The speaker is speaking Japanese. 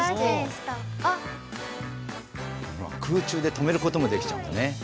空中で止めることもできちゃうんだね。